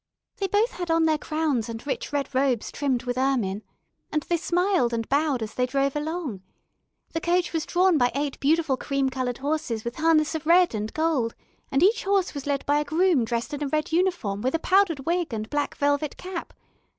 They both had on their crowns and rich red robes trimmed with ermine, and they smiled and bowed as they drove along. The coach was drawn by eight beautiful cream coloured horses with harness of red and gold, and each horse was led by a groom dressed in a red uniform with a powdered wig and black velvet cap.